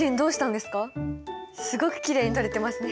すごくきれいに撮れてますね。